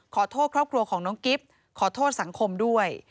ขอโทษครอบครัวของน้องกิฟต์ขอโทษสังคมด้วย